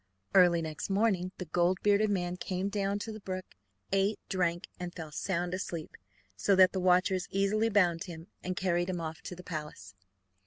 Early next morning the gold bearded man came down to the brook, ate, drank, and fell sound asleep, so that the watchers easily bound him, and carried him off to the palace.